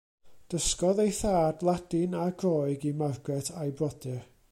Dysgodd ei thad Ladin a Groeg i Margaret a'i brodyr.